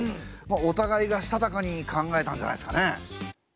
おたがいがしたたかに考えたんじゃないですかね。